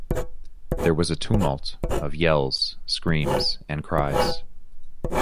There was a tumult of yells, screams and cries.